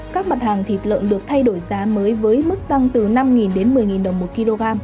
các mặt hàng thịt lợn được thay đổi giá mới với mức tăng từ năm đến một mươi đồng một kg